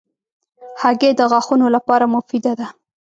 هګۍ د غاښونو لپاره مفیده ده.